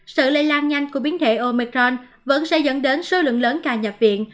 sự lây lan nhanh của biến thể omicron vẫn sẽ dẫn đến số lượng lớn ca nhập viện